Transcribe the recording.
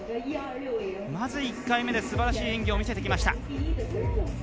まず１回目ですばらしい演技を見せてきました。